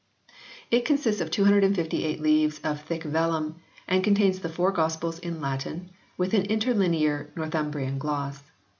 It consists of 258 leaves of thick vellum, and con tains the Four Gospels in Latin with an interlinear Northumbrian gloss.